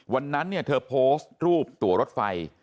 วันนั้นเธอโพสต์รูปตัวรถไฟ